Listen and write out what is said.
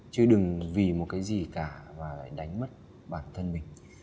chứ đừng vì một cái gì cả và lại đánh mất bản thân mình